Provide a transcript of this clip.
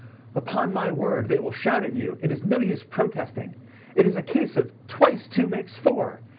"Upon my word, they will shout at you, it is no use protesting: it is a case of twice two makes four!